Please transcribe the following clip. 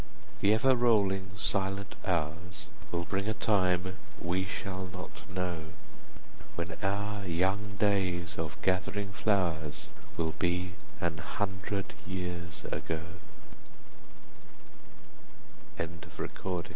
The ever rolling silent hours Will bring a time we shall not know, When our young days of gathering flowers 55 Will be an hundred